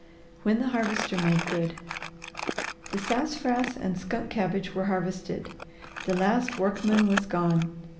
WHEN THE HARVESTER MADE GOOD The sassafras and skunk cabbage were harvested. The last workman was gone.